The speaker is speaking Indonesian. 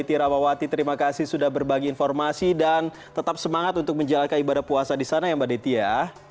mbak dity rawawati terima kasih sudah berbagi informasi dan tetap semangat untuk menjalankan ibadah puasa di sana ya mbak dity ya